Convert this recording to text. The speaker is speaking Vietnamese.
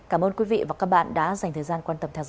cảm ơn quý vị và các bạn đã dành thời gian quan tâm theo dõi